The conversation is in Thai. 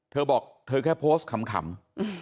เธอบอกเธอแค่โพสต์ขำ